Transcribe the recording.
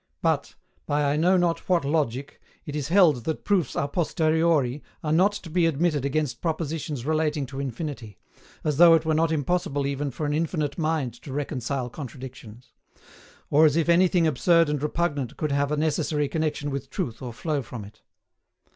But, by I know not what logic, it is held that proofs a posteriori are not to be admitted against propositions relating to infinity, as though it were not impossible even for an infinite mind to reconcile contradictions; or as if anything absurd and repugnant could have a necessary connexion with truth or flow from it.